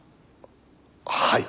はい。